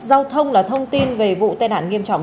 giao thông là thông tin về vụ tai nạn nghiêm trọng